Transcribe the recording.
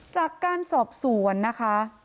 จากการสอบสวนนะคะ